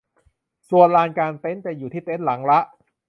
ส่วนลานกางเต็นท์จะอยู่ที่เต็นท์หลังละ